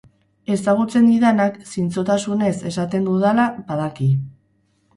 Ezagutzen didanak zintzotasunez esaten dudala badaki.